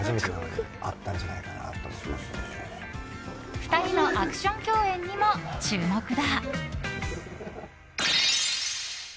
２人のアクション共演にも注目だ！